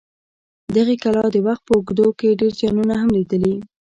دغې کلا د وخت په اوږدو کې ډېر زیانونه هم لیدلي.